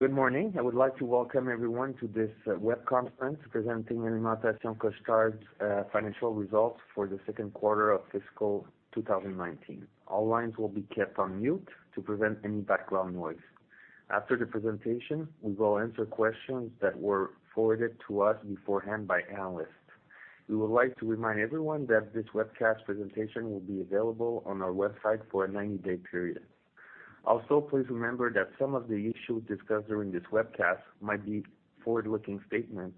Good morning. I would like to welcome everyone to this web conference presenting Alimentation Couche-Tard's financial results for the second quarter of fiscal 2019. All lines will be kept on mute to prevent any background noise. After the presentation, we will answer questions that were forwarded to us beforehand by analysts. We would like to remind everyone that this webcast presentation will be available on our website for a 90-day period. Please remember that some of the issues discussed during this webcast might be forward-looking statements,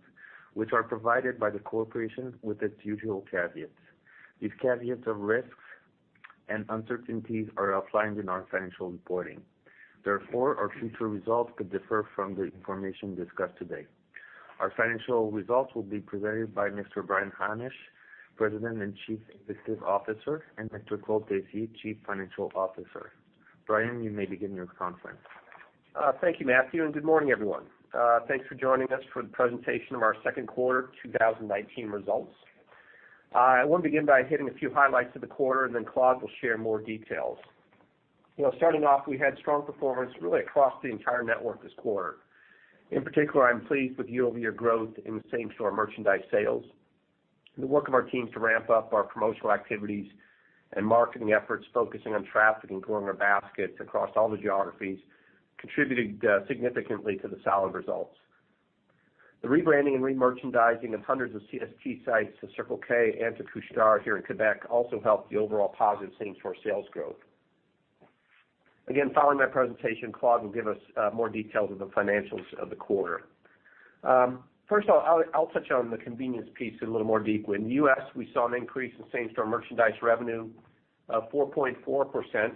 which are provided by the corporation with its usual caveats. These caveats of risks and uncertainties are outlined in our financial reporting. Therefore, our future results could differ from the information discussed today. Our financial results will be presented by Mr. Brian Hannasch, President and Chief Executive Officer, and Mr. Claude Tessier, Chief Financial Officer. Brian, you may begin your conference. Thank you, Mathieu. Good morning, everyone. Thanks for joining us for the presentation of our second quarter 2019 results. I want to begin by hitting a few highlights of the quarter. Claude will share more details. We had strong performance really across the entire network this quarter. In particular, I'm pleased with year-over-year growth in same-store merchandise sales. The work of our teams to ramp up our promotional activities and marketing efforts, focusing on traffic and growing our baskets across all the geographies contributed significantly to the solid results. The rebranding and re-merchandising of hundreds of CST sites to Circle K and to Couche-Tard here in Quebec also helped the overall positive same-store sales growth. Following my presentation, Claude will give us more details of the financials of the quarter. I'll touch on the convenience piece a little more deeply. In the U.S., we saw an increase in same-store merchandise revenue of 4.4%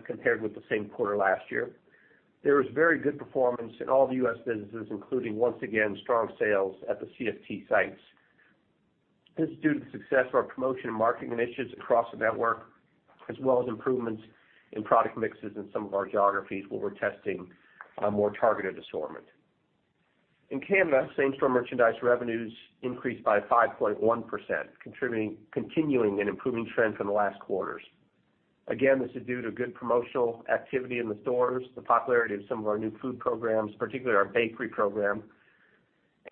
compared with the same quarter last year. There was very good performance in all the U.S. businesses, including, once again, strong sales at the CST sites. This is due to the success of our promotion and marketing initiatives across the network, as well as improvements in product mixes in some of our geographies where we're testing a more targeted assortment. In Canada, same-store merchandise revenues increased by 5.1%, continuing an improving trend from the last quarters. This is due to good promotional activity in the stores, the popularity of some of our new food programs, particularly our bakery program,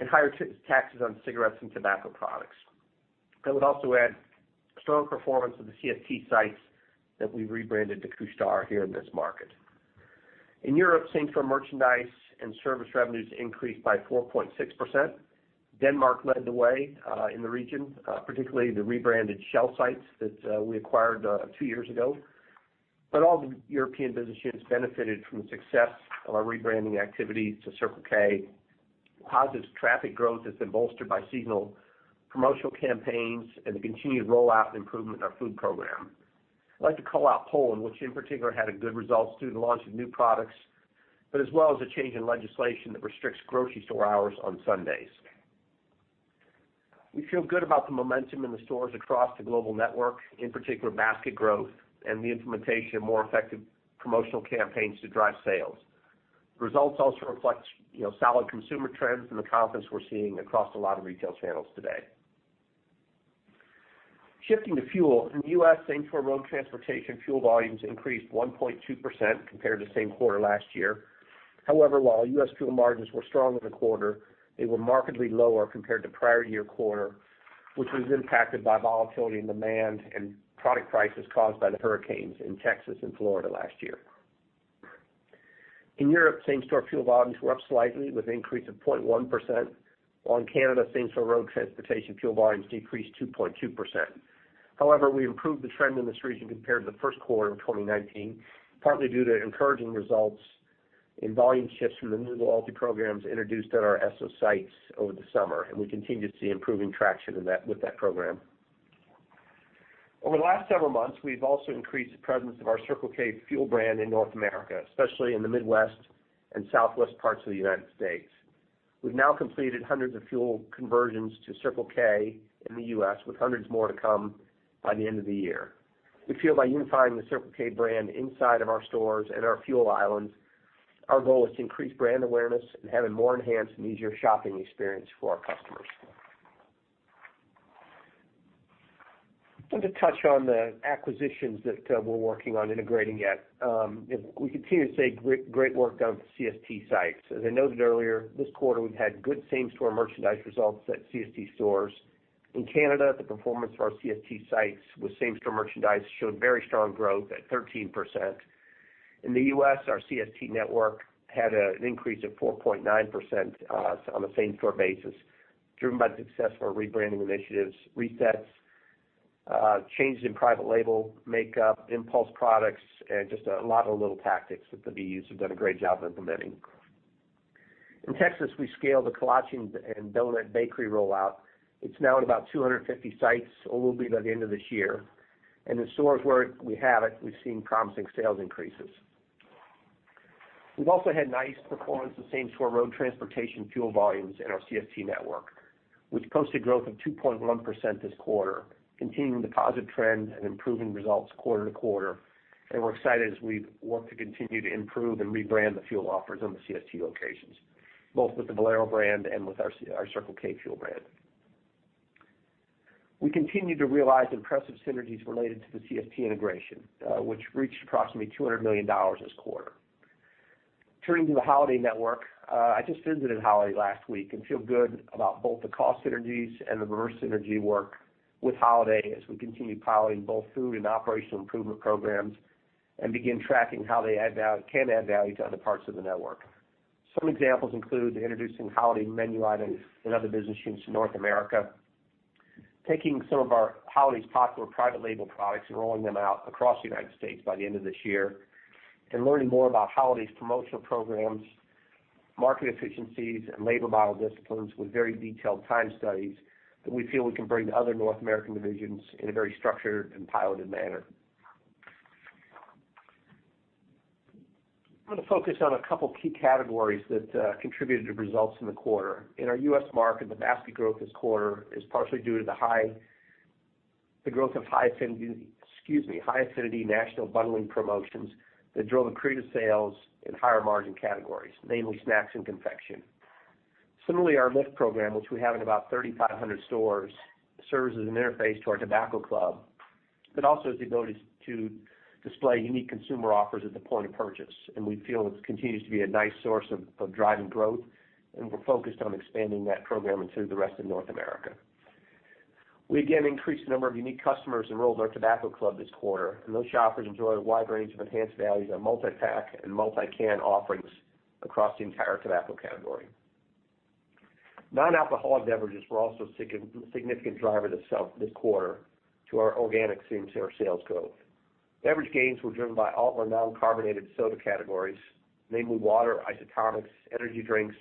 and higher taxes on cigarettes and tobacco products. I would also add strong performance of the CST sites that we've rebranded to Couche-Tard here in this market. In Europe, same-store merchandise and service revenues increased by 4.6%. Denmark led the way in the region, particularly the rebranded Shell sites that we acquired a few years ago. All the European business units benefited from the success of our rebranding activity to Circle K, positive traffic growth that's been bolstered by seasonal promotional campaigns, and the continued rollout and improvement in our food program. I'd like to call out Poland, which in particular had a good result due to the launch of new products, as well as a change in legislation that restricts grocery store hours on Sundays. We feel good about the momentum in the stores across the global network, in particular basket growth and the implementation of more effective promotional campaigns to drive sales. The results also reflect solid consumer trends and the confidence we're seeing across a lot of retail channels today. Shifting to fuel, in the U.S., same-store road transportation fuel volumes increased 1.2% compared to the same quarter last year. However, while U.S. fuel margins were strong in the quarter, they were markedly lower compared to prior year quarter, which was impacted by volatility in demand and product prices caused by the hurricanes in Texas and Florida last year. In Europe, same-store fuel volumes were up slightly with an increase of 0.1%, while in Canada, same-store road transportation fuel volumes decreased 2.2%. However, we improved the trend in this region compared to the first quarter of 2019, partly due to encouraging results in volume shifts from the new loyalty programs introduced at our Esso sites over the summer, and we continue to see improving traction with that program. Over the last several months, we've also increased the presence of our Circle K fuel brand in North America, especially in the Midwest and Southwest parts of the United States. We've now completed hundreds of fuel conversions to Circle K in the U.S., with hundreds more to come by the end of the year. We feel by unifying the Circle K brand inside of our stores and our fuel islands, our goal is to increase brand awareness and have a more enhanced and easier shopping experience for our customers. I want to touch on the acquisitions that we're working on integrating at. We continue to see great work on the CST sites. As I noted earlier, this quarter, we've had good same-store merchandise results at CST stores. In Canada, the performance of our CST sites with same-store merchandise showed very strong growth at 13%. In the U.S., our CST network had an increase of 4.9% on a same-store basis, driven by the success of our rebranding initiatives, resets, changes in private label makeup, impulse products, and just a lot of little tactics that the BUs have done a great job implementing. In Texas, we scaled the kolache and donut bakery rollout. It's now at about 250 sites, or will be by the end of this year. In stores where we have it, we've seen promising sales increases. We've also had nice performance in same-store road transportation fuel volumes in our CST network, which posted growth of 2.1% this quarter, continuing the positive trend and improving results quarter-to-quarter. We're excited as we work to continue to improve and rebrand the fuel offers on the CST locations, both with the Valero brand and with our Circle K fuel brand. We continue to realize impressive synergies related to the CST integration, which reached approximately 200 million dollars this quarter. Turning to the Holiday network, I just visited Holiday last week and feel good about both the cost synergies and the reverse synergy work with Holiday as we continue piloting both food and operational improvement programs and begin tracking how they can add value to other parts of the network. Some examples include introducing Holiday menu items in other business units in North America, taking some of our Holiday's popular private label products and rolling them out across the United States by the end of this year, and learning more about Holiday's promotional programs, market efficiencies, and labor model disciplines with very detailed time studies that we feel we can bring to other North American divisions in a very structured and piloted manner. I want to focus on a couple of key categories that contributed to results in the quarter. In our U.S. market, the basket growth this quarter is partially due to the growth of high affinity national bundling promotions that drove accretive sales in higher margin categories, namely snacks and confection. Similarly, our Lift program, which we have in about 3,500 stores, serves as an interface to our Tobacco Club, but also has the ability to display unique consumer offers at the point of purchase. We feel this continues to be a nice source of driving growth, and we're focused on expanding that program into the rest of North America. We again increased the number of unique customers enrolled in our Tobacco Club this quarter, and those shoppers enjoy a wide range of enhanced values, our multi-pack and multi-can offerings across the entire tobacco category. Nonalcoholic beverages were also a significant driver this quarter to our organic same sales growth. Beverage gains were driven by all of our noncarbonated soda categories, namely water, isotonics, energy drinks,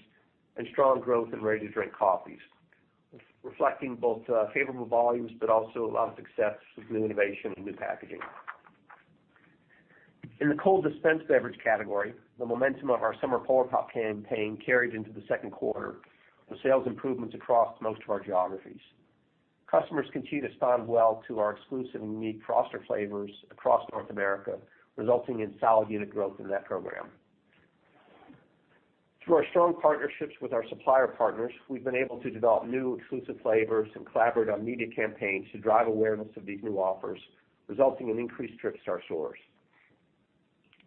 and strong growth in ready-to-drink coffees, reflecting both favorable volumes but also a lot of success with new innovation and new packaging. In the cold dispense beverage category, the momentum of our summer Polar Pop campaign carried into the second quarter with sales improvements across most of our geographies. Customers continue to respond well to our exclusive and unique Froster flavors across North America, resulting in solid unit growth in that program. Through our strong partnerships with our supplier partners, we've been able to develop new exclusive flavors and collaborate on media campaigns to drive awareness of these new offers, resulting in increased trips to our stores.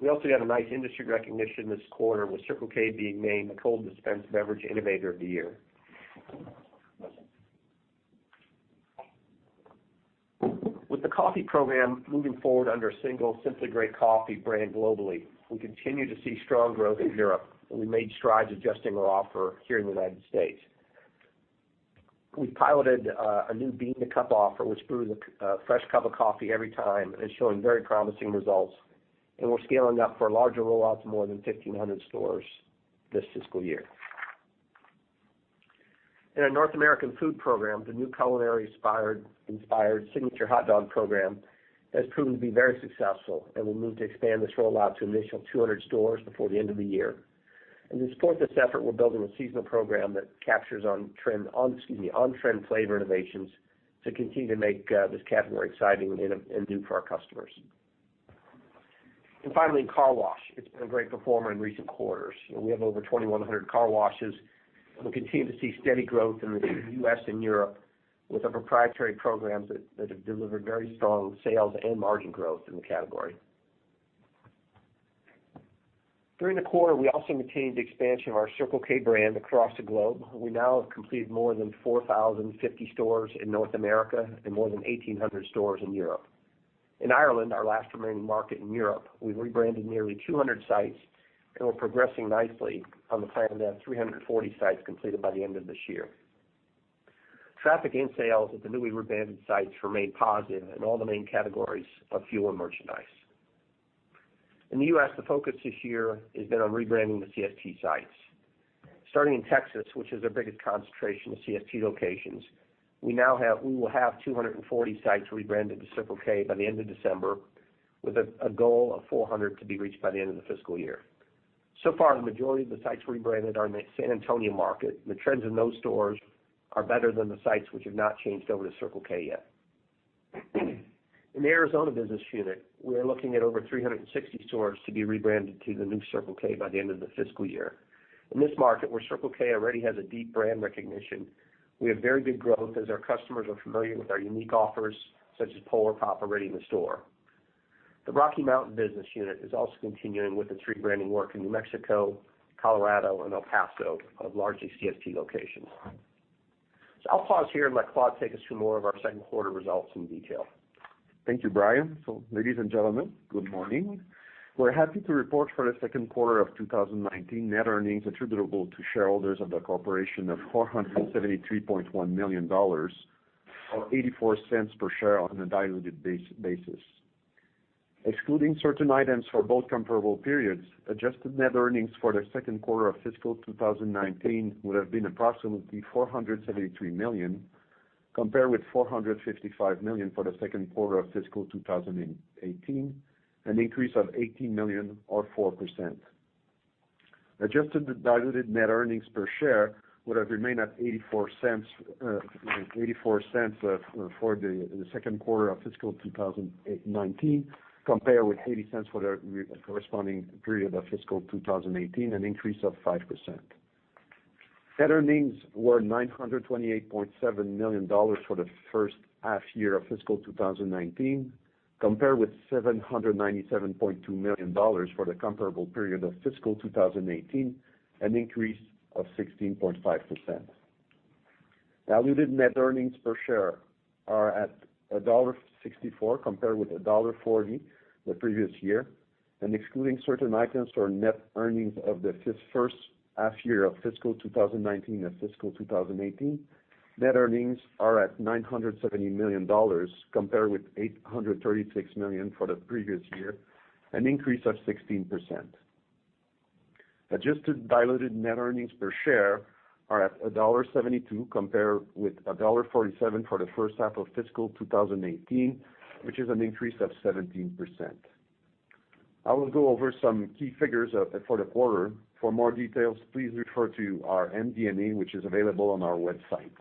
We also had a nice industry recognition this quarter with Circle K being named the Cold Dispense Beverage Innovator of the Year. With the coffee program moving forward under a single Simply Great Coffee brand globally, we continue to see strong growth in Europe, and we made strides adjusting our offer here in the United States. We've piloted a new bean-to-cup offer, which brews a fresh cup of coffee every time, it's showing very promising results, we're scaling up for a larger rollout to more than 1,500 stores this fiscal year. In our North American food program, the new culinary inspired signature hot dog program has proven to be very successful, we'll move to expand this rollout to an initial 200 stores before the end of the year. To support this effort, we're building a seasonal program that captures on-trend flavor innovations to continue to make this category exciting and new for our customers. Finally, car wash. It's been a great performer in recent quarters, and we have over 2,100 car washes, and we continue to see steady growth in the U.S. and Europe with our proprietary programs that have delivered very strong sales and margin growth in the category. During the quarter, we also maintained the expansion of our Circle K brand across the globe. We now have completed more than 4,050 stores in North America and more than 1,800 stores in Europe. In Ireland, our last remaining market in Europe, we've rebranded nearly 200 sites, and we're progressing nicely on the plan to have 340 sites completed by the end of this year. Traffic and sales at the newly rebranded sites remain positive in all the main categories of fuel and merchandise. In the U.S., the focus this year has been on rebranding the CST sites. Starting in Texas, which is our biggest concentration of CST locations, we will have 240 sites rebranded to Circle K by the end of December, with a goal of 400 to be reached by the end of the fiscal year. So far, the majority of the sites rebranded are in the San Antonio market, and the trends in those stores are better than the sites which have not changed over to Circle K yet. In the Arizona business unit, we are looking at over 360 stores to be rebranded to the new Circle K by the end of the fiscal year. In this market, where Circle K already has a deep brand recognition, we have very good growth as our customers are familiar with our unique offers, such as Polar Pop already in the store. The Rocky Mountain business unit is also continuing with its rebranding work in New Mexico, Colorado, and El Paso of largely CST locations. I'll pause here and let Claude take us through more of our second quarter results in detail. Thank you, Brian. Ladies and gentlemen, good morning. We're happy to report for the second quarter of 2019, net earnings attributable to shareholders of the corporation of 473.1 million dollars, or 0.84 per share on a diluted basis. Excluding certain items for both comparable periods, adjusted net earnings for the second quarter of fiscal 2019 would have been approximately 473 million, compared with 455 million for the second quarter of fiscal 2018, an increase of 18 million or 4%. Adjusted diluted net earnings per share would have remained at 0.84 for the second quarter of fiscal 2019, compared with 0.80 for the corresponding period of fiscal 2018, an increase of 5%. Net earnings were 928.7 million dollars for the first half year of fiscal 2019, compared with 797.2 million dollars for the comparable period of fiscal 2018, an increase of 16.5%. Diluted net earnings per share are at $1.64 compared with $1.40 the previous year, and excluding certain items for net earnings of the first half year of fiscal 2019 and fiscal 2018. Net earnings are at $970 million, compared with $836 million for the previous year, an increase of 16%. Adjusted diluted net earnings per share are at $1.72 compared with $1.47 for the first half of fiscal 2018, which is an increase of 17%. I will go over some key figures for the quarter. For more details, please refer to our MD&A, which is available on our website.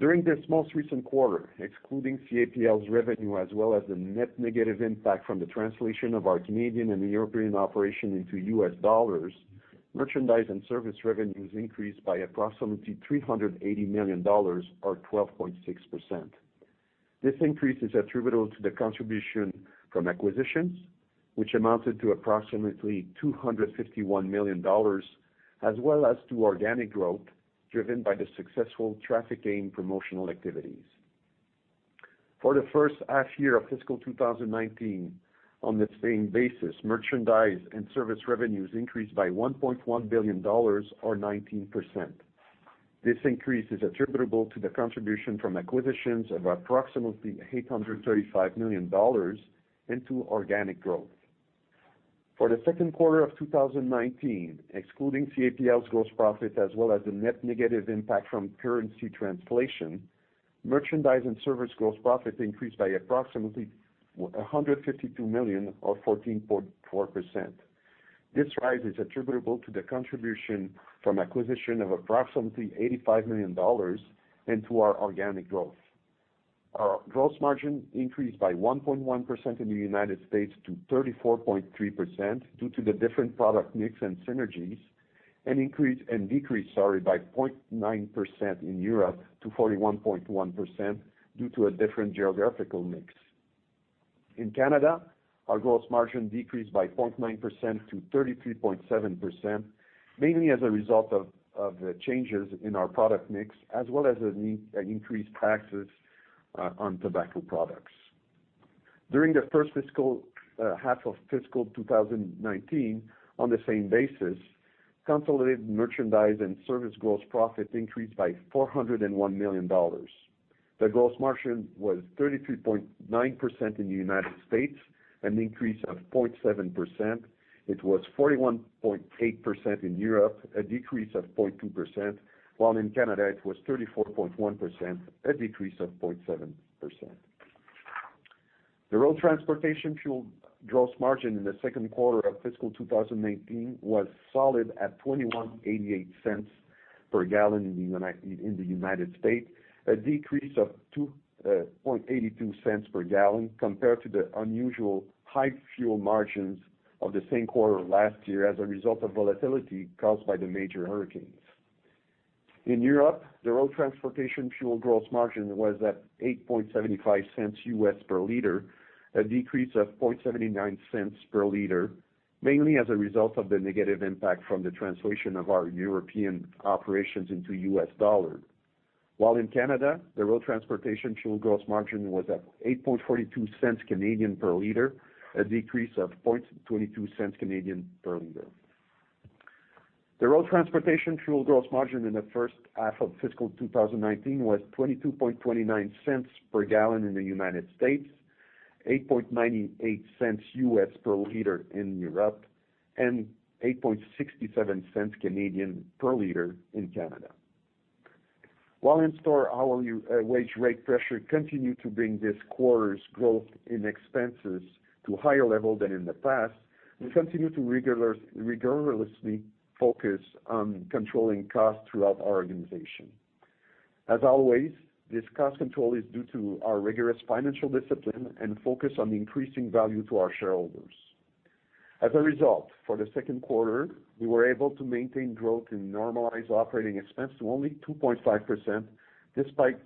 During this most recent quarter, excluding CrossAmerica Partners LP's revenue as well as the net negative impact from the translation of our Canadian and European operation into U.S. dollars, merchandise and service revenues increased by approximately $380 million or 12.6%. This increase is attributable to the contribution from acquisitions, which amounted to approximately $251 million, as well as to organic growth driven by the successful traffic gain promotional activities. For the first half year of fiscal 2019, on the same basis, merchandise and service revenues increased by $1.1 billion or 19%. This increase is attributable to the contribution from acquisitions of approximately $835 million and to organic growth. For the second quarter of 2019, excluding CrossAmerica Partners LP's gross profit as well as the net negative impact from currency translation, merchandise and service gross profit increased by approximately $152 million or 14.4%. This rise is attributable to the contribution from acquisition of approximately $85 million and to our organic growth. Our gross margin increased by 1.1% in the United States to 34.3% due to the different product mix and synergies, and decreased by 0.9% in Europe to 41.1% due to a different geographical mix. In Canada, our gross margin decreased by 0.9% to 33.7%, mainly as a result of the changes in our product mix, as well as an increased taxes on tobacco products. During the first half of fiscal 2019, on the same basis, consolidated merchandise and service gross profit increased by $401 million. The gross margin was 33.9% in the United States, an increase of 0.7%. It was 41.8% in Europe, a decrease of 0.2%, while in Canada it was 34.1%, a decrease of 0.7%. The road transportation fuel gross margin in the second quarter of fiscal 2019 was solid at $0.2188 per gallon in the United States, a decrease of $0.0282 per gallon compared to the unusual high fuel margins of the same quarter last year as a result of volatility caused by the major hurricanes. In Europe, the road transportation fuel gross margin was at $0.0875 per liter, a decrease of $0.0079 per liter, mainly as a result of the negative impact from the translation of our European operations into U.S. dollar. While in Canada, the road transportation fuel gross margin was at 0.0842 per liter, a decrease of 0.0022 per liter. The road transportation fuel gross margin in the first half of fiscal 2019 was $0.2229 per gallon in the United States, $0.0898 per liter in Europe, and 0.0867 per liter in Canada. While in store, our wage rate pressure continued to bring this quarter's growth in expenses to a higher level than in the past, we continue to rigorously focus on controlling costs throughout our organization. As always, this cost control is due to our rigorous financial discipline and focus on increasing value to our shareholders. For the second quarter, we were able to maintain growth in normalized operating expense to only 2.5%, despite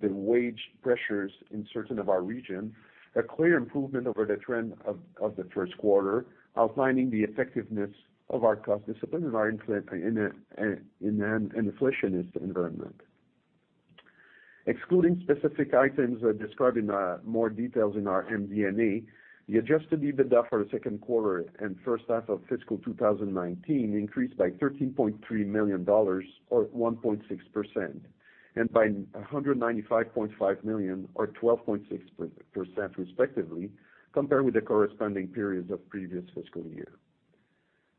the wage pressures in certain of our region, a clear improvement over the trend of the first quarter, outlining the effectiveness of our cost discipline in an inflationist environment. Excluding specific items described in more details in our MD&A, the adjusted EBITDA for the second quarter and first half of fiscal 2019 increased by 13.3 million dollars or 1.6%, and by 195.5 million or 12.6% respectively, compared with the corresponding periods of previous fiscal year.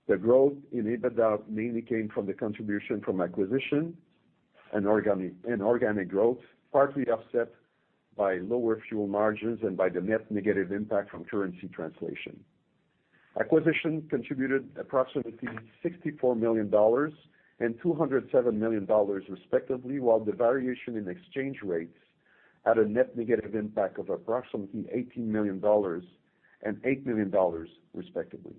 The growth in EBITDA mainly came from the contribution from acquisition and organic growth, partly offset by lower fuel margins and by the net negative impact from currency translation. Acquisition contributed approximately 64 million dollars and 207 million dollars respectively, while the variation in exchange rates had a net negative impact of approximately 18 million dollars and 8 million dollars respectively.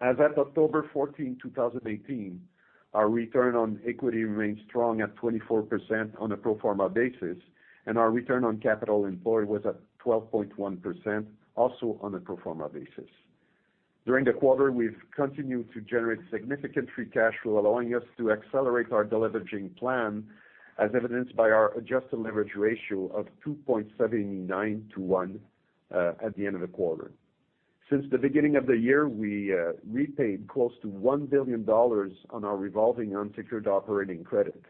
As at October 14, 2018, our return on equity remains strong at 24% on a pro forma basis, and our return on capital employed was at 12.1%, also on a pro forma basis. During the quarter, we've continued to generate significant free cash flow, allowing us to accelerate our deleveraging plan, as evidenced by our adjusted leverage ratio of 2.79 to 1 at the end of the quarter. Since the beginning of the year, we repaid close to 1 billion dollars on our revolving unsecured operating credit.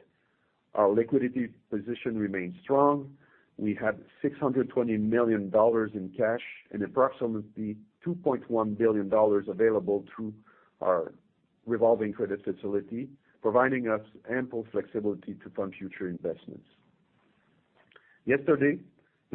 Our liquidity position remains strong. We had 620 million dollars in cash and approximately 2.1 billion dollars available through our revolving credit facility, providing us ample flexibility to fund future investments. Yesterday,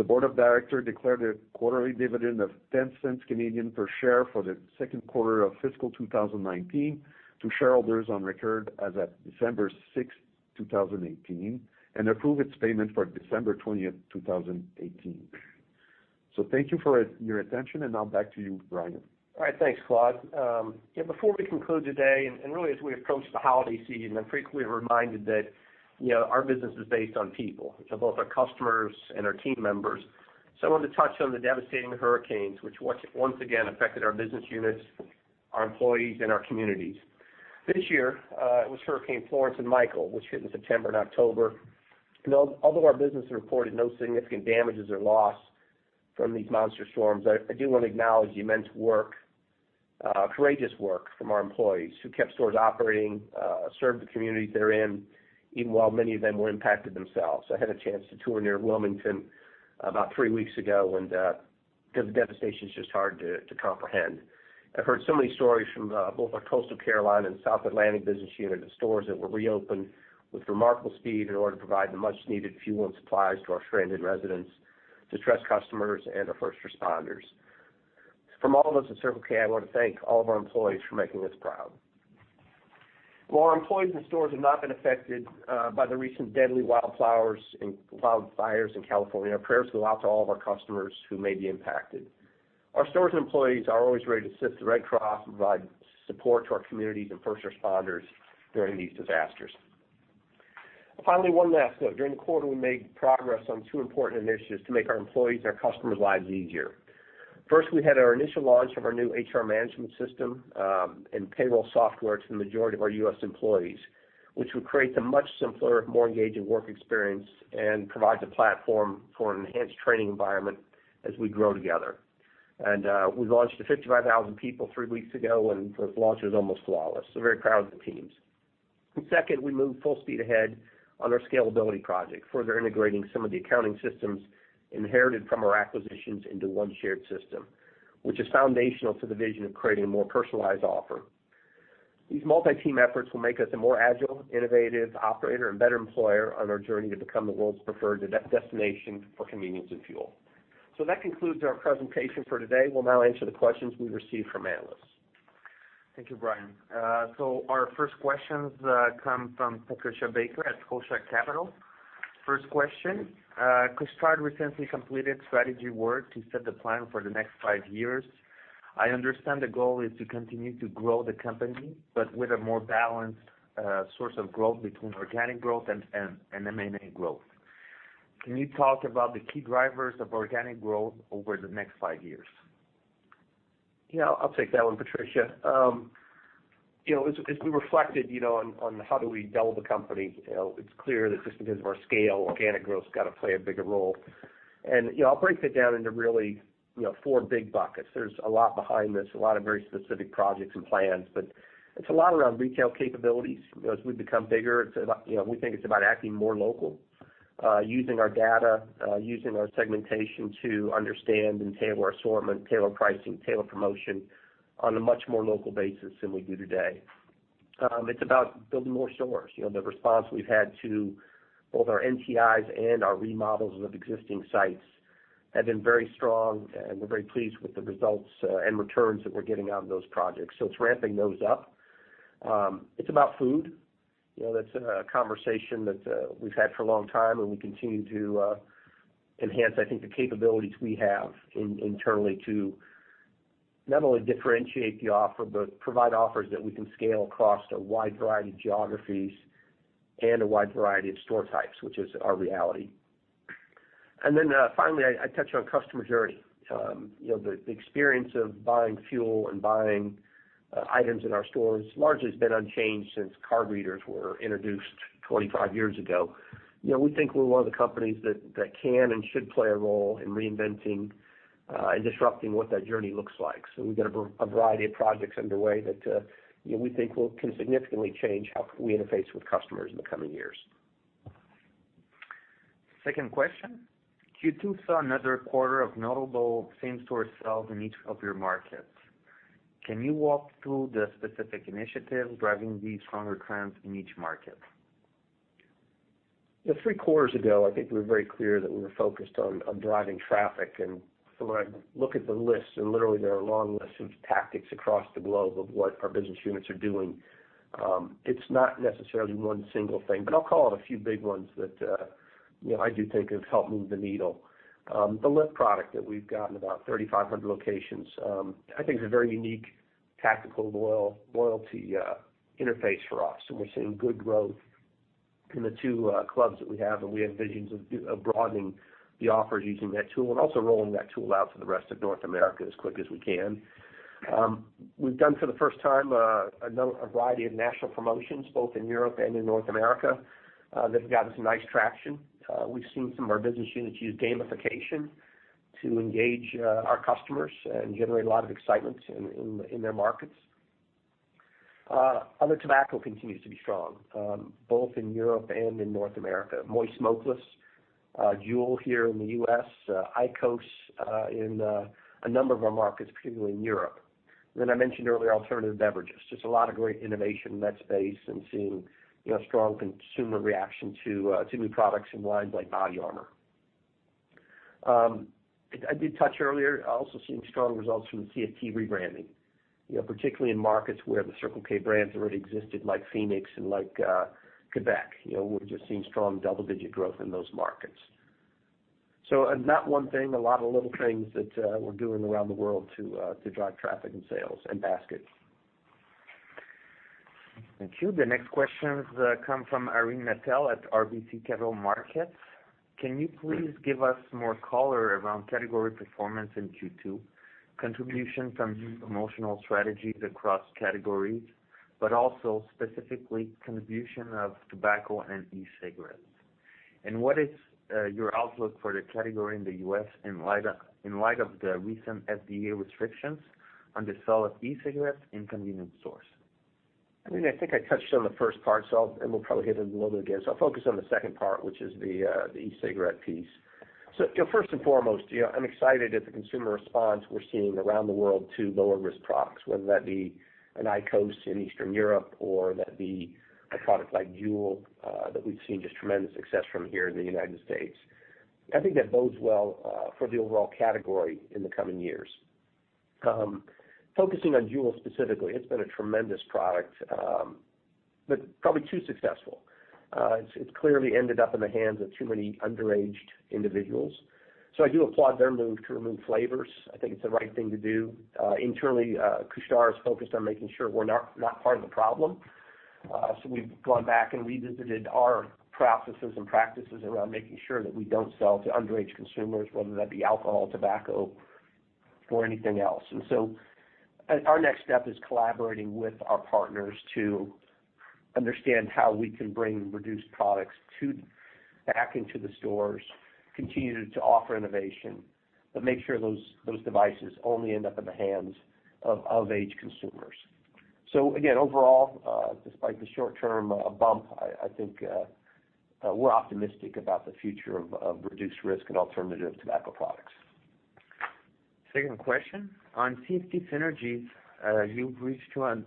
the board of directors declared a quarterly dividend of 0.10 per share for the second quarter of fiscal 2019 to shareholders on record as at December 6, 2018, and approved its payment for December 20, 2018. Thank you for your attention, and now back to you, Brian. All right. Thanks, Claude. Before we conclude today, as we approach the holiday season, I'm frequently reminded that our business is based on people, both our customers and our team members. I wanted to touch on the devastating hurricanes, which once again affected our business units, our employees, and our communities. This year, it was Hurricane Florence and Hurricane Michael, which hit in September and October. Although our business reported no significant damages or loss from these monster storms, I do want to acknowledge the immense work, courageous work from our employees who kept stores operating, served the communities they're in, even while many of them were impacted themselves. I had a chance to tour near Wilmington about three weeks ago, and the devastation's just hard to comprehend. I've heard so many stories from both our Coastal Carolina and South Atlantic business unit of stores that were reopened with remarkable speed in order to provide the much-needed fuel and supplies to our stranded residents, distressed customers, and our first responders. From all of us at Circle K, I want to thank all of our employees for making us proud. While our employees and stores have not been affected by the recent deadly wildfires in California, our prayers go out to all of our customers who may be impacted. Our stores and employees are always ready to assist the Red Cross and provide support to our communities and first responders during these disasters. Finally, one last note. During the quarter, we made progress on two important initiatives to make our employees' and our customers' lives easier. First, we had our initial launch of our new HR management system and payroll software to the majority of our U.S. employees, which will create a much simpler, more engaging work experience and provides a platform for an enhanced training environment as we grow together. We launched to 55,000 people three weeks ago, and the launch was almost flawless, very proud of the teams. Second, we moved full speed ahead on our scalability project, further integrating some of the accounting systems inherited from our acquisitions into one shared system, which is foundational to the vision of creating a more personalized offer. These multi-team efforts will make us a more agile, innovative operator, and better employer on our journey to become the world's preferred destination for convenience and fuel. That concludes our presentation for today. We'll now answer the questions we've received from analysts. Thank you, Brian. Our first questions come from Patricia Baker at Scotiabank. First question, Couche-Tard recently completed strategy work to set the plan for the next five years. I understand the goal is to continue to grow the company, but with a more balanced source of growth between organic growth and M&A growth. Can you talk about the key drivers of organic growth over the next five years? I'll take that one, Patricia. As we reflected on how do we double the company, it's clear that just because of our scale, organic growth's got to play a bigger role. I'll break that down into really four big buckets. There's a lot behind this, a lot of very specific projects and plans, but it's a lot around retail capabilities. As we become bigger, we think it's about acting more local, using our data, using our segmentation to understand and tailor our assortment, tailor pricing, tailor promotion on a much more local basis than we do today. It's about building more stores. The response we've had to both our NTIs and our remodels of existing sites have been very strong, and we're very pleased with the results and returns that we're getting out of those projects. It's ramping those up. It's about food. That's a conversation that we've had for a long time, we continue to enhance, I think, the capabilities we have internally to not only differentiate the offer but provide offers that we can scale across a wide variety of geographies and a wide variety of store types, which is our reality. Finally, I touch on customer journey. The experience of buying fuel and buying items in our stores largely has been unchanged since card readers were introduced 25 years ago. We think we're one of the companies that can and should play a role in reinventing and disrupting what that journey looks like. We've got a variety of projects underway that we think can significantly change how we interface with customers in the coming years. Second question. Q2 saw another quarter of notable same-store sales in each of your markets. Can you walk through the specific initiatives driving these stronger trends in each market? Three quarters ago, I think we were very clear that we were focused on driving traffic. When I look at the list, and literally there are long lists of tactics across the globe of what our business units are doing. It's not necessarily one single thing, but I'll call out a few big ones that I do think have helped move the needle. The Lift product that we've got in about 3,500 locations I think is a very unique tactical loyalty interface for us, and we're seeing good growth in the two clubs that we have, and we have visions of broadening the offers using that tool, and also rolling that tool out to the rest of North America as quick as we can. We've done, for the first time, a variety of national promotions, both in Europe and in North America, that have got us nice traction. We've seen some of our business units use gamification to engage our customers and generate a lot of excitement in their markets. Other tobacco continues to be strong, both in Europe and in North America. Moist smokeless, Juul here in the U.S., IQOS in a number of our markets, particularly in Europe. I mentioned earlier alternative beverages. Just a lot of great innovation in that space and seeing strong consumer reaction to new products in lines like BODYARMOR. I did touch earlier, also seeing strong results from the CST rebranding, particularly in markets where the Circle K brands already existed, like Phoenix and like Quebec. We're just seeing strong double-digit growth in those markets. Not one thing, a lot of little things that we're doing around the world to drive traffic and sales and basket. Thank you. The next questions come from Irene Nattel at RBC Capital Markets. Can you please give us more color around category performance in Q2, contribution from promotional strategies across categories, but also specifically contribution of tobacco and e-cigarettes? What is your outlook for the category in the U.S. in light of the recent FDA restrictions on the sale of e-cigarettes in convenience stores? Irene, I think I touched on the first part, and we'll probably hit it a little bit again. I'll focus on the second part, which is the e-cigarette piece. First and foremost, I'm excited at the consumer response we're seeing around the world to lower risk products, whether that be an IQOS in Eastern Europe or that be a product like Juul, that we've seen just tremendous success from here in the United States. I think that bodes well for the overall category in the coming years. Focusing on Juul specifically, it's been a tremendous product, but probably too successful. It's clearly ended up in the hands of too many underaged individuals. I do applaud their move to remove flavors. I think it's the right thing to do. Internally, Couche-Tard is focused on making sure we're not part of the problem. We've gone back and revisited our processes and practices around making sure that we don't sell to underage consumers, whether that be alcohol, tobacco or anything else. Our next step is collaborating with our partners to understand how we can bring reduced products back into the stores, continue to offer innovation, but make sure those devices only end up in the hands of age consumers. Overall, despite the short term bump, I think we're optimistic about the future of reduced risk and alternative tobacco products. Second question. On CST synergies, you've reached 200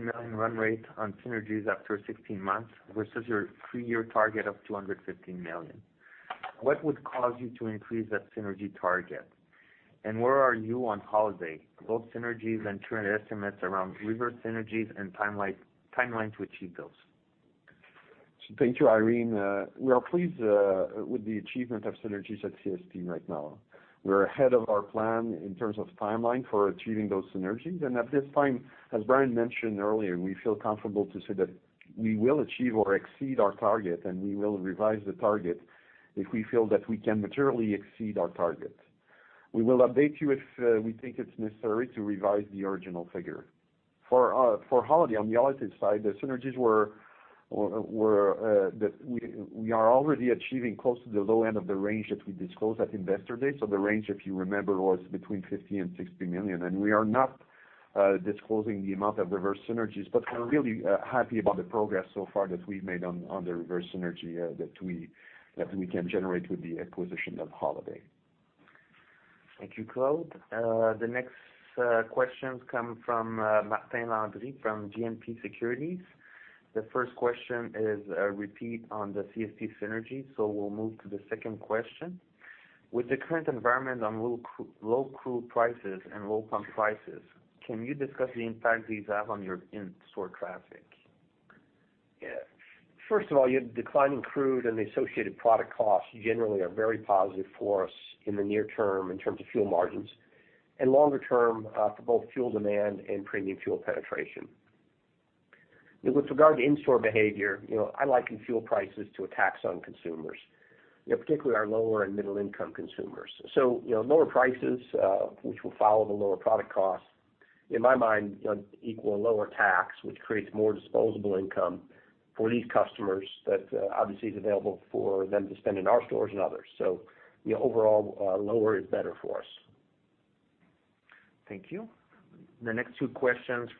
million run rate on synergies after 16 months versus your 3-year target of 250 million. What would cause you to increase that synergy target? And where are you on Holiday, both synergies and turn estimates around reverse synergies and timeline to achieve those? Thank you, Irene. We are pleased with the achievement of synergies at CST right now. We're ahead of our plan in terms of timeline for achieving those synergies. At this time, as Brian mentioned earlier, we feel comfortable to say that we will achieve or exceed our target, and we will revise the target if we feel that we can materially exceed our target. We will update you if we think it's necessary to revise the original figure. For Holiday, on the relative side, the synergies were that we are already achieving close to the low end of the range that we disclosed at Investor Day. The range, if you remember, was between 50 million and 60 million. We are not disclosing the amount of reverse synergies, but we're really happy about the progress so far that we've made on the reverse synergy that we can generate with the acquisition of Holiday. Thank you, Claude. The next questions come from Martin Landry from GMP Securities. The first question is a repeat on the CST synergy, so we'll move to the second question. With the current environment on low crude prices and low pump prices, can you discuss the impact these have on your in-store traffic? Yeah. First of all, declining crude and the associated product costs generally are very positive for us in the near term in terms of fuel margins and longer term for both fuel demand and premium fuel penetration. With regard to in-store behavior, I liken fuel prices to a tax on consumers, particularly our lower and middle income consumers. Lower prices, which will follow the lower product cost, in my mind, equal a lower tax, which creates more disposable income for these customers that obviously is available for them to spend in our stores and others. Overall, lower is better for us. Thank you. The next two questions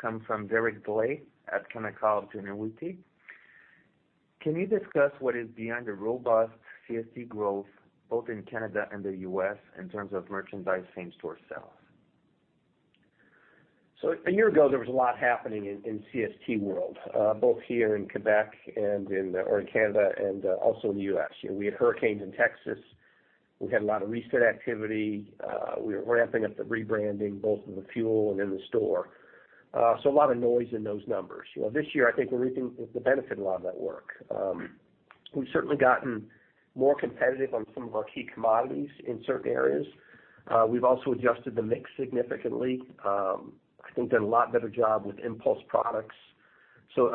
come from Derek Dley at Canaccord Genuity. Can you discuss what is behind the robust CST growth both in Canada and the U.S. in terms of merchandise same-store sales? A year ago, there was a lot happening in CST world, both here in Quebec or in Canada and also in the U.S. We had hurricanes in Texas. We had a lot of reset activity. We were ramping up the rebranding, both in the fuel and in the store. A lot of noise in those numbers. This year, I think we're reaping the benefit of a lot of that work. We've certainly gotten more competitive on some of our key commodities in certain areas. We've also adjusted the mix significantly. I think done a lot better job with impulse products.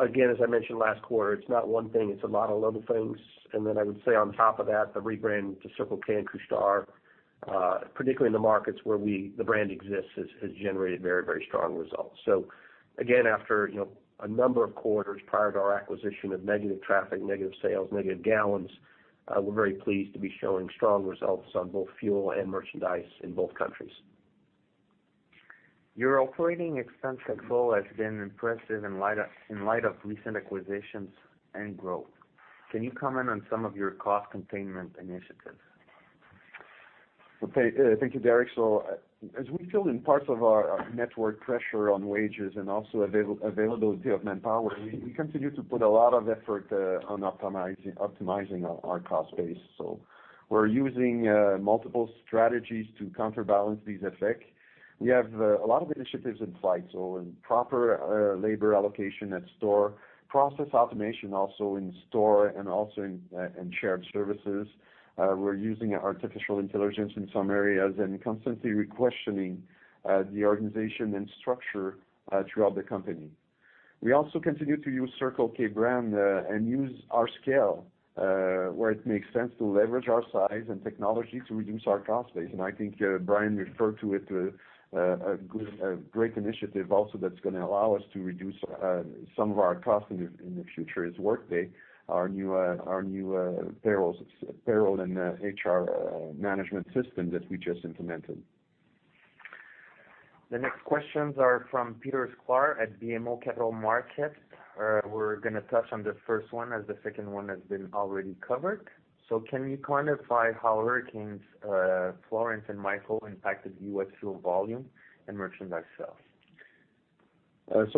Again, as I mentioned last quarter, it's not one thing, it's a lot of little things. Then I would say on top of that, the rebrand to Circle K and Couche-Tard, particularly in the markets where the brand exists, has generated very strong results. Again, after a number of quarters prior to our acquisition of negative traffic, negative sales, negative gallons, we're very pleased to be showing strong results on both fuel and merchandise in both countries. Your operating expense control has been impressive in light of recent acquisitions and growth. Can you comment on some of your cost containment initiatives? Thank you, Derek. As we fill in parts of our network pressure on wages and also availability of manpower, we continue to put a lot of effort on optimizing our cost base. We are using multiple strategies to counterbalance these effects. We have a lot of initiatives in place, so in proper labor allocation at store, process automation also in store and also in shared services. We are using artificial intelligence in some areas and constantly requestioning the organization and structure throughout the company. We also continue to use Circle K brand and use our scale, where it makes sense to leverage our size and technology to reduce our cost base. I think Brian referred to it, a great initiative also that is going to allow us to reduce some of our costs in the future is Workday, our new payroll and HR management system that we just implemented. The next questions are from Peter Sklar at BMO Capital Markets. We are going to touch on the first one as the second one has been already covered. Can you quantify how Hurricane Florence and Hurricane Michael impacted U.S. fuel volume and merchandise sales?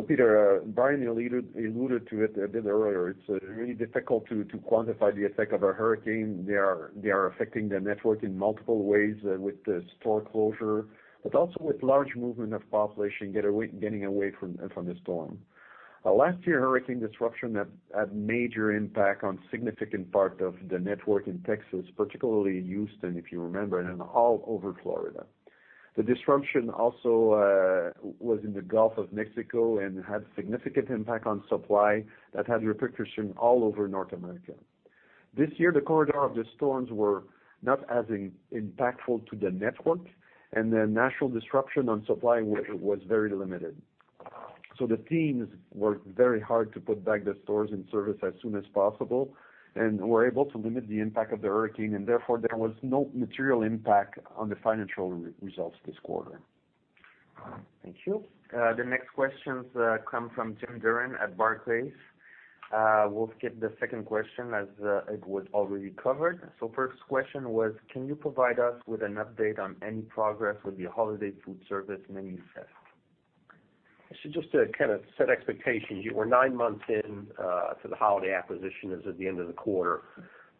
Peter, Brian alluded to it a bit earlier. It is really difficult to quantify the effect of a hurricane. They are affecting the network in multiple ways with the store closure, but also with large movement of population getting away from the storm. Last year, hurricane disruption had major impact on significant part of the network in Texas, particularly Houston, if you remember, and all over Florida. The disruption also was in the Gulf of Mexico and had significant impact on supply that had repercussions all over North America. This year, the corridor of the storms were not as impactful to the network, and the national disruption on supply was very limited. The teams worked very hard to put back the stores in service as soon as possible and were able to limit the impact of the hurricane, and therefore, there was no material impact on the financial results this quarter. Thank you. The next questions come from Jim Durran at Barclays. We'll skip the second question as it was already covered. First question was, can you provide us with an update on any progress with your Holiday Foodservice menu test? Just to set expectations, we're nine months in to the Holiday acquisition as of the end of the quarter.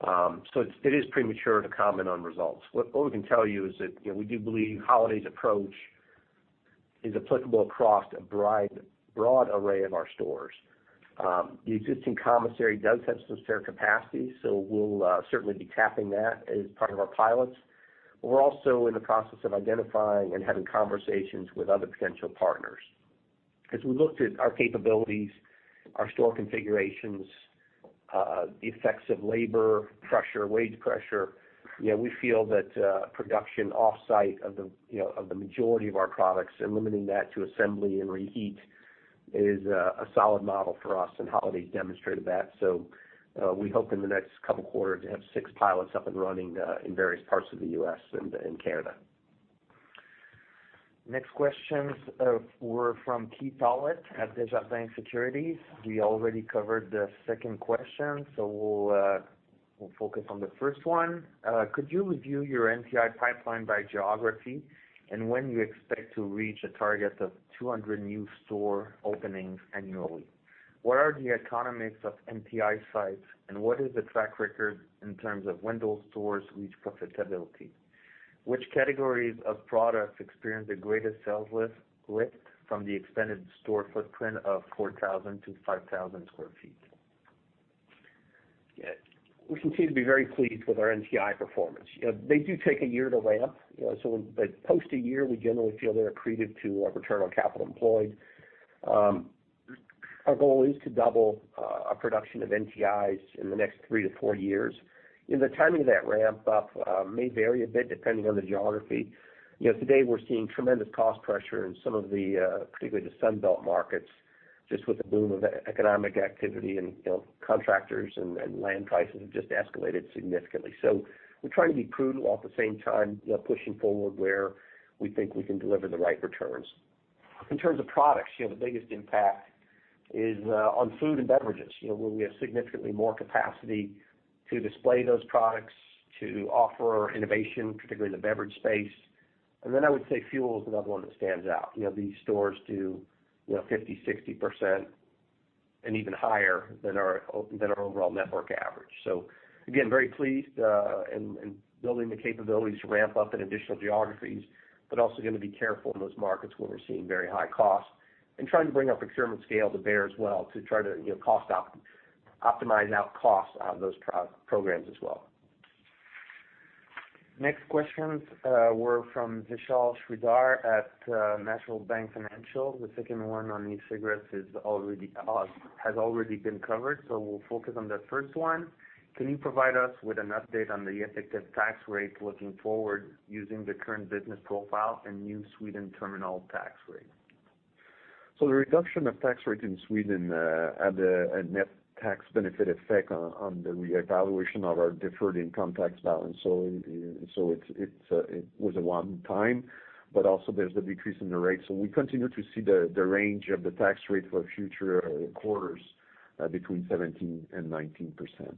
It is premature to comment on results. What we can tell you is that we do believe Holiday's approach is applicable across a broad array of our stores. The existing commissary does have some spare capacity, we'll certainly be tapping that as part of our pilots. We're also in the process of identifying and having conversations with other potential partners. As we looked at our capabilities, our store configurations, the effects of labor pressure, wage pressure, we feel that production offsite of the majority of our products and limiting that to assembly and reheat is a solid model for us, and Holiday's demonstrated that. We hope in the next couple of quarters to have six pilots up and running in various parts of the U.S. and Canada. Next questions were from Keith Howlett at Desjardins Securities. We already covered the second question, we'll focus on the first one. Could you review your NTI pipeline by geography and when you expect to reach a target of 200 new store openings annually? What are the economics of NTI sites, and what is the track record in terms of when those stores reach profitability? Which categories of products experience the greatest sales lift from the expanded store footprint of 4,000-5,000 sq ft? Yeah. We continue to be very pleased with our NTI performance. They do take a year to ramp. Post a year, we generally feel they're accretive to our return on capital employed. Our goal is to double our production of NTIs in the next three to four years, and the timing of that ramp up may vary a bit depending on the geography. Today we're seeing tremendous cost pressure in some of the, particularly the Sun Belt markets, just with the boom of economic activity and contractors and land prices have just escalated significantly. We're trying to be prudent, while at the same time pushing forward where we think we can deliver the right returns. In terms of products, the biggest impact is on food and beverages, where we have significantly more capacity to display those products, to offer innovation, particularly in the beverage space. I would say fuel is another one that stands out. These stores do 50%, 60% and even higher than our overall network average. Again, very pleased in building the capabilities to ramp up in additional geographies, but also going to be careful in those markets where we're seeing very high costs and trying to bring our procurement scale to bear as well to try to optimize out costs on those programs as well. Next questions were from Vishal Shreedhar at National Bank Financial. The second one on e-cigarettes has already been covered, we'll focus on the first one. Can you provide us with an update on the effective tax rate looking forward using the current business profile and new Sweden terminal tax rate? The reduction of tax rate in Sweden had a net tax benefit effect on the revaluation of our deferred income tax balance. It was a one time, but also there's the decrease in the rate. We continue to see the range of the tax rate for future quarters between 17% and 19%. Thank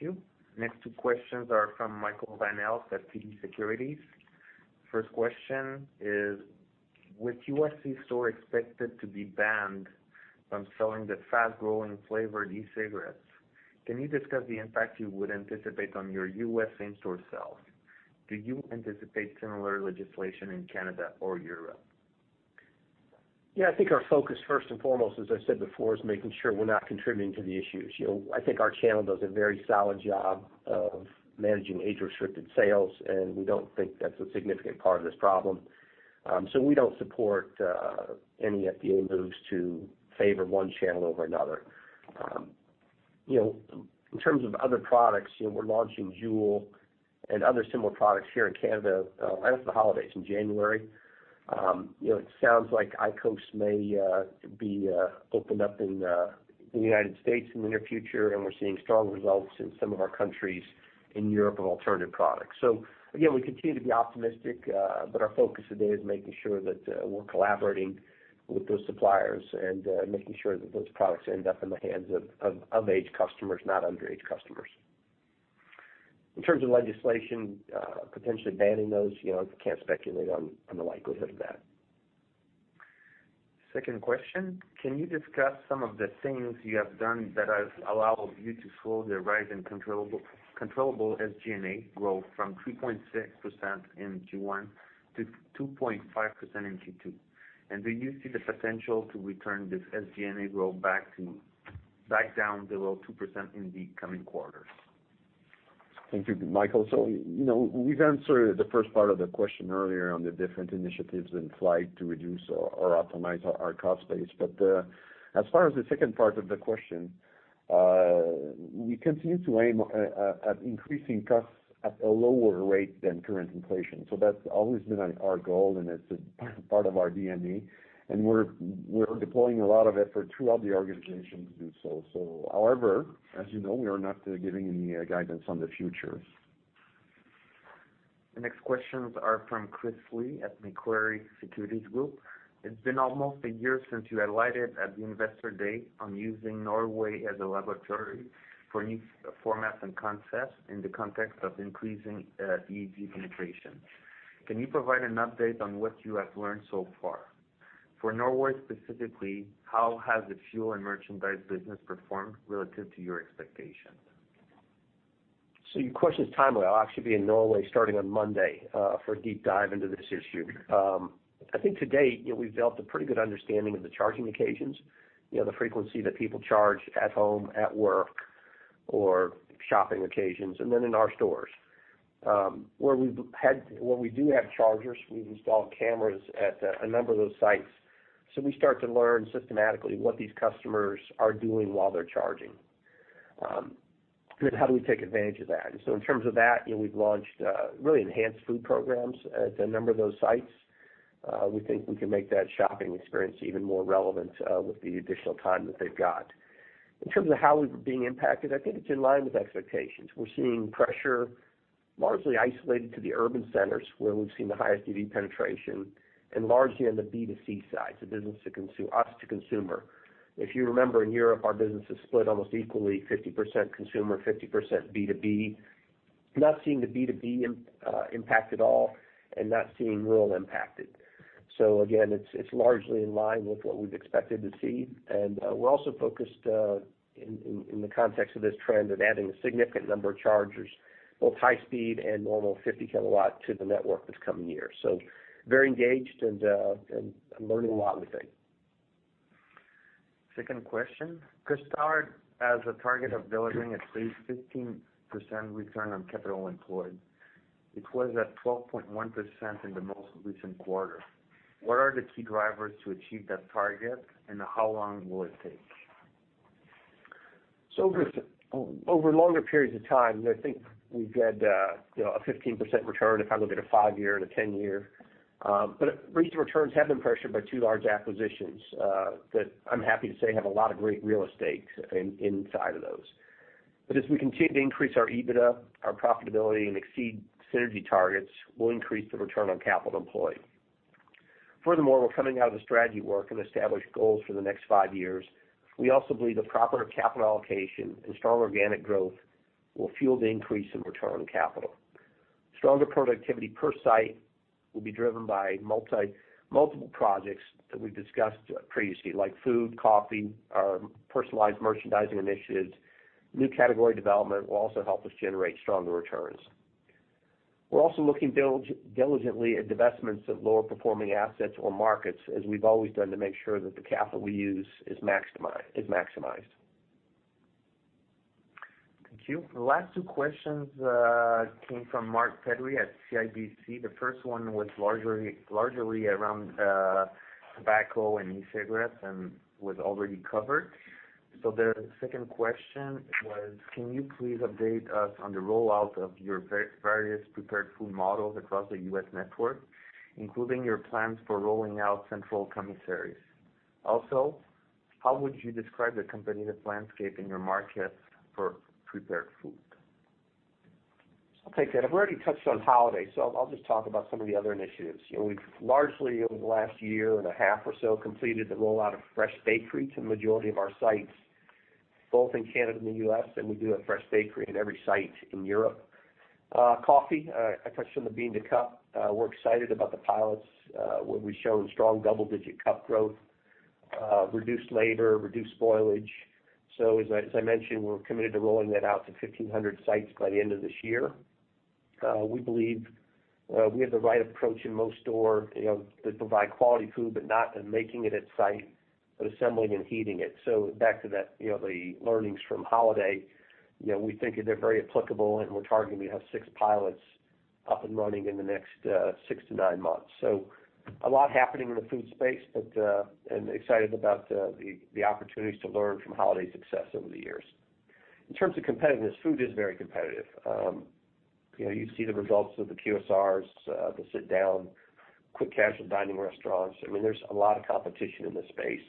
you. Next two questions are from Michael Van Aelst at TD Securities. First question is, with U.S. stores expected to be banned from selling the fast-growing flavored e-cigarettes, can you discuss the impact you would anticipate on your U.S. in-store sales? Do you anticipate similar legislation in Canada or Europe? Yeah, I think our focus, first and foremost, as I said before, is making sure we're not contributing to the issues. I think our channel does a very solid job of managing age-restricted sales, and we don't think that's a significant part of this problem. We don't support any FDA moves to favor one channel over another. In terms of other products, we're launching Juul and other similar products here in Canada right after the holidays in January. It sounds like IQOS may be opened up in the United States in the near future, and we're seeing strong results in some of our countries in Europe on alternative products. Again, we continue to be optimistic, but our focus today is making sure that we're collaborating with those suppliers and making sure that those products end up in the hands of age customers, not underage customers. In terms of legislation potentially banning those, I can't speculate on the likelihood of that. Second question, can you discuss some of the things you have done that have allowed you to slow the rise in controllable SG&A growth from 3.6% in Q1 to 2.5% in Q2? Do you see the potential to return this SG&A growth back down below 2% in the coming quarters? Thank you, Michael. We've answered the first part of the question earlier on the different initiatives in flight to reduce or optimize our cost base. As far as the second part of the question, we continue to aim at increasing costs at a lower rate than current inflation. That's always been our goal, and it's a part of our DNA, and we're deploying a lot of effort throughout the organization to do so. However, as you know, we are not giving any guidance on the future. The next questions are from Christopher Li at Macquarie Securities Group. It's been almost a year since you highlighted at the Investor Day on using Norway as a laboratory for new formats and concepts in the context of increasing EV penetration. Can you provide an update on what you have learned so far? For Norway specifically, how has the fuel and merchandise business performed relative to your expectations? Your question is timely. I'll actually be in Norway starting on Monday for a deep dive into this issue. I think to date, we've built a pretty good understanding of the charging occasions, the frequency that people charge at home, at work or shopping occasions, and then in our stores. Where we do have chargers, we've installed cameras at a number of those sites. We start to learn systematically what these customers are doing while they're charging. How do we take advantage of that? In terms of that, we've launched really enhanced food programs at a number of those sites. We think we can make that shopping experience even more relevant with the additional time that they've got. In terms of how we're being impacted, I think it's in line with expectations. We're seeing pressure largely isolated to the urban centers where we've seen the highest EV penetration and largely on the B2C side, so business to consumer, us to consumer. If you remember, in Europe, our business is split almost equally, 50% consumer, 50% B2B. Not seeing the B2B impact at all and not seeing rural impacted. Again, it's largely in line with what we've expected to see. We're also focused, in the context of this trend, on adding a significant number of chargers, both high speed and normal 50 kilowatt, to the network this coming year. Very engaged and learning a lot with it. Second question, Couche-Tard has a target of delivering at least 15% return on capital employed. It was at 12.1% in the most recent quarter. What are the key drivers to achieve that target and how long will it take? Over longer periods of time, I think we've had a 15% return if I look at a five-year and a 10-year. Recent returns have been pressured by two large acquisitions that I'm happy to say have a lot of great real estate inside of those. As we continue to increase our EBITDA, our profitability, and exceed synergy targets, we'll increase the return on capital employed. Furthermore, we're coming out of the strategy work and established goals for the next five years. We also believe the proper capital allocation and strong organic growth will fuel the increase in return on capital. Stronger productivity per site will be driven by multiple projects that we've discussed previously, like food, coffee, our personalized merchandising initiatives. New category development will also help us generate stronger returns. We're also looking diligently at divestments of lower performing assets or markets, as we've always done, to make sure that the capital we use is maximized. Thank you. The last two questions came from Mark Petrie at CIBC. The first one was largely around tobacco and e-cigarettes and was already covered. The second question was: Can you please update us on the rollout of your various prepared food models across the U.S. network, including your plans for rolling out central commissaries? Also, how would you describe the competitive landscape in your market for prepared food? I'll take that. I've already touched on Holiday, I'll just talk about some of the other initiatives. We've largely, over the last year and a half or so, completed the rollout of fresh bakery to the majority of our sites, both in Canada and the U.S., and we do have fresh bakery at every site in Europe. Coffee, I touched on the bean-to-cup. We're excited about the pilots, where we've shown strong double-digit cup growth, reduced labor, reduced spoilage. As I mentioned, we're committed to rolling that out to 1,500 sites by the end of this year. We believe we have the right approach in most stores that provide quality food, but not in making it at site, but assembling and heating it. Back to the learnings from Holiday, we think they're very applicable and we're targeting to have six pilots up and running in the next six to nine months. A lot happening in the food space, but I'm excited about the opportunities to learn from Holiday's success over the years. In terms of competitiveness, food is very competitive. You see the results of the QSRs, the sit-down quick casual dining restaurants. There's a lot of competition in this space.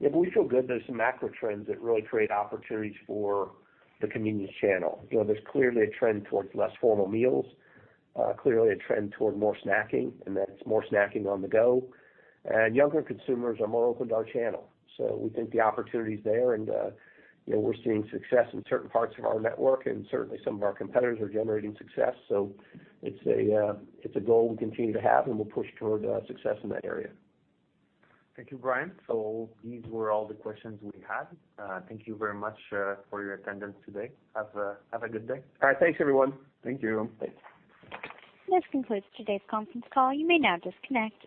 We feel good. There's some macro trends that really create opportunities for the convenience channel. There's clearly a trend towards less formal meals, clearly a trend toward more snacking, and that it's more snacking on the go. Younger consumers are more open to our channel. We think the opportunity is there, and we're seeing success in certain parts of our network, and certainly some of our competitors are generating success. It's a goal we continue to have, and we'll push toward success in that area. Thank you, Brian. These were all the questions we had. Thank you very much for your attendance today. Have a good day. All right. Thanks, everyone. Thank you. This concludes today's conference call. You may now disconnect.